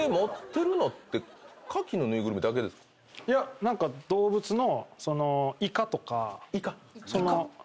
いや何か動物の。